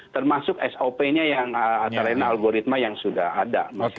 termasuk sop nya yang terlena algoritma yang sudah ada